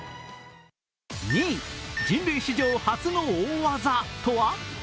２位、人類史上初の大技とは？